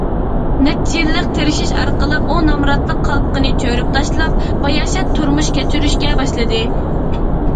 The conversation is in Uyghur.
نەچچە يىللىق تىرىشىش ئارقىلىق ئۇ نامراتلىق قالپىقىنى چۆرۈپ تاشلاپ، باياشات تۇرمۇش كەچۈرۈشكە باشلىدى.